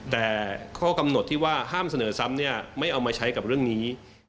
แต่ข้อกำหนดที่ว่าห้ามเสนอซ้ำเนี่ยไม่เอามาใช้กับเรื่องนี้